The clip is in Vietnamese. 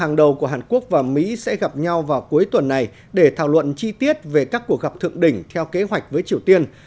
hàng đầu của hàn quốc và mỹ sẽ gặp nhau vào cuối tuần này để thảo luận chi tiết về các cuộc gặp thượng đỉnh theo kế hoạch với triều tiên